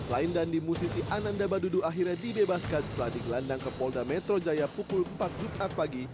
selain dandi musisi ananda badudu akhirnya dibebaskan setelah digelandang ke polda metro jaya pukul empat jumat pagi